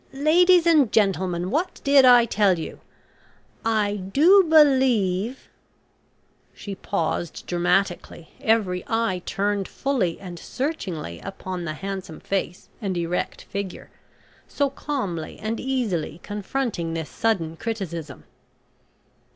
"Ladies and gentlemen, what did I tell you? I do believe " She paused dramatically, every eye turned fully and searchingly upon the handsome face and erect figure so calmly and easily confronting this sudden criticism.